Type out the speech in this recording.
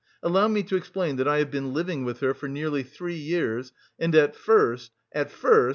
"Allow me to explain that I have been living with her for nearly three years and at first... at first...